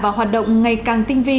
và hoạt động ngày càng tinh vi